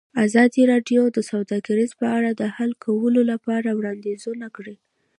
ازادي راډیو د سوداګري په اړه د حل کولو لپاره وړاندیزونه کړي.